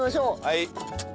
はい。